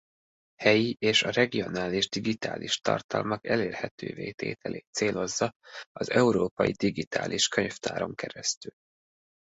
Helyi és a regionális digitális tartalmak elérhetővé tételét célozza az Európai Digitális Könyvtáron keresztül.